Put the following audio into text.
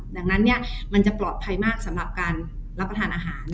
ดังนั้นเนี่ยมันจะปลอดภัยมากสำหรับการรับประทานอาหาร